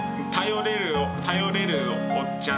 頼れるおっちゃん